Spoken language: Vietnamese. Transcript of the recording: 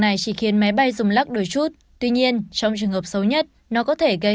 này chỉ khiến máy bay dùng lắc đôi chút tuy nhiên trong trường hợp xấu nhất nó có thể gây